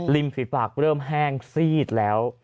ริมผิดผากเริ่มแห้งซีดแล้ว